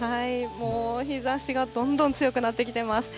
もう日ざしがどんどん強くなってきています。